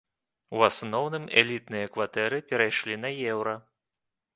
У асноўным элітныя кватэры перайшлі на еўра.